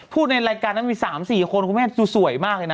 พูดในรายการนั่นมีสามสี่คนคุณเมฆดูสวยมากเลยนะ